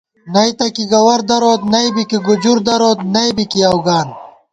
نئیتہ کی گوَر دروت نئیبی کی گُجُر دروت نئیبی کی اؤگان